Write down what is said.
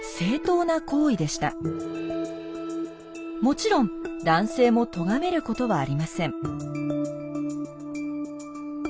もちろん男性もとがめることはありません。